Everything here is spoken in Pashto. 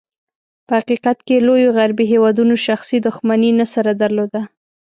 په حقیقت کې، لوېو غربي هېوادونو شخصي دښمني نه سره درلوده.